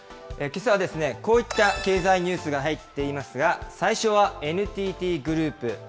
けさはですね、こういった経済ニュースが入っていますが、最初はＮＴＴグループ。